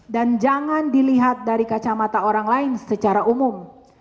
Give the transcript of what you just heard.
dan jangan dilihat dari kacamata orang lain secara umum